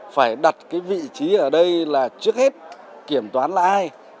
phải đặt cái vị trí ở đây là trước hết kiểm toán là ai